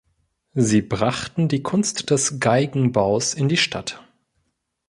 Sie brachten die Kunst des Geigenbaus in die Stadt.